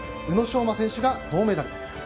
宇野昌磨選手が銅メダル。